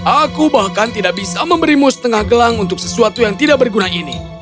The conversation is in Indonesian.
aku bahkan tidak bisa memberimu setengah gelang untuk sesuatu yang tidak berguna ini